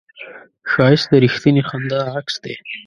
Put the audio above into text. ښایست د رښتینې خندا عکس دی